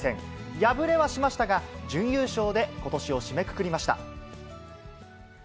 敗れはしましたが、準優勝でことしを締めくくりました。